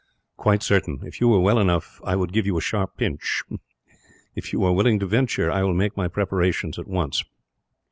"Quite certain; if you were well enough, I would give you a sharp pinch. If you are willing to venture, I will make my preparations at once.